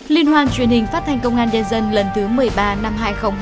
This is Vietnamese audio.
liên hoan truyền hình phát thanh công an nhân dân lần thứ một mươi ba năm hai nghìn hai mươi ba